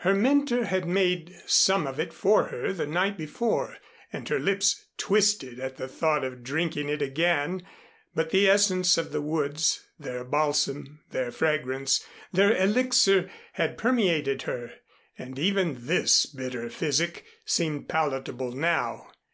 Her mentor had made some of it for her the night before and her lips twisted at the thought of drinking it again; but the essence of the woods, their balsam, their fragrance, their elixir had permeated her and even this bitter physic seemed palatable now.